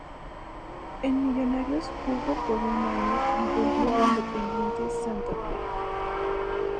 En Millonarios jugó por un año y volvió a Independiente Santa Fe.